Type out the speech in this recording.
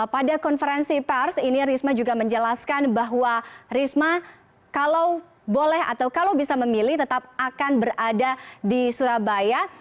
pada konferensi pers ini risma juga menjelaskan bahwa risma kalau boleh atau kalau bisa memilih tetap akan berada di surabaya